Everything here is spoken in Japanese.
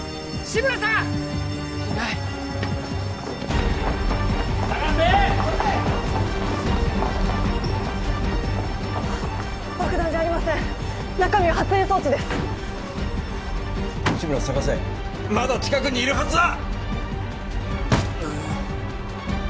志村を捜せまだ近くにいるはずだ！